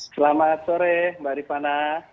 selamat sore mbak rifana